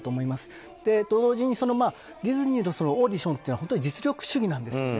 それと同時に、ディズニーのオーディションというのは実力主義なんですね。